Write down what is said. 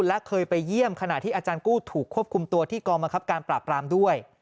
และเคยไปเยี่ยมขณะที่อาจารย์กู้ถูกควบคุมตัวที่กองบังคับการปราบรามด้วย